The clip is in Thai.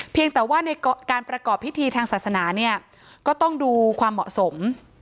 แต่ว่าในการประกอบพิธีทางศาสนาเนี่ยก็ต้องดูความเหมาะสม